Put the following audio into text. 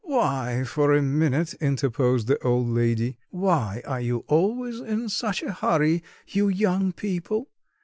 "Why for a minute?" interposed the old lady. "Why are you always in such a hurry, you young people?